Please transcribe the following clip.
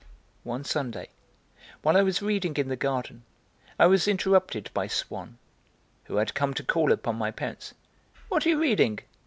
One Sunday, while I was reading in the garden, I was interrupted by Swann, who had come to call upon my parents. "What are you reading?